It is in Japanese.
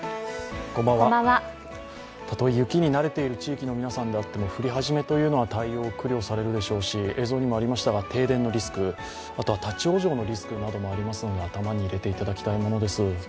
たとえ雪になれている地域の皆さんであっても降り始めというのは、対応を苦慮されるでしょうし停電のリスク、あとは立往生のリスクもありますので頭に入れていただきたいものです。